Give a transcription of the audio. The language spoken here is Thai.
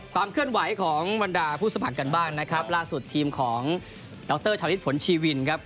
ความเคลื่อนไหวของบรรดาผู้สมัครกันบ้างนะครับล่าสุดทีมของดรชาวฤทธิผลชีวินครับ